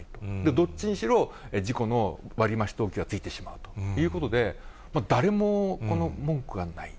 どっちにしろ、事故の割り増し等級はついてしまうということで、誰も文句がない。